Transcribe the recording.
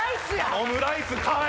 オムライスかい！